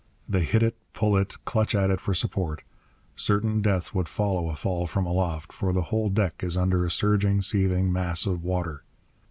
They hit it, pull it, clutch at it for support. Certain death would follow a fall from aloft; for the whole deck is hidden under a surging, seething mass of water.